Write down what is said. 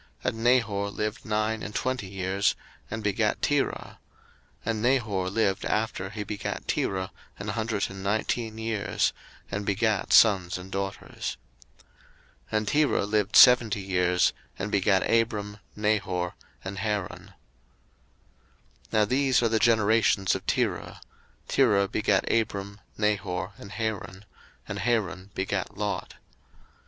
01:011:024 And Nahor lived nine and twenty years, and begat Terah: 01:011:025 And Nahor lived after he begat Terah an hundred and nineteen years, and begat sons and daughters. 01:011:026 And Terah lived seventy years, and begat Abram, Nahor, and Haran. 01:011:027 Now these are the generations of Terah: Terah begat Abram, Nahor, and Haran; and Haran begat Lot.